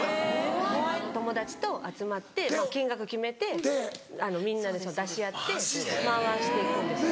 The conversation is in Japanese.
友達と集まって金額決めてみんなで出し合って回していくんですね。